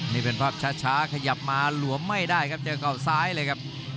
นี่เป็นภาพช้าขยับมาหลวมไม่ได้ครับเจอเขาซ้ายเลยครับ